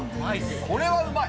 これはうまい。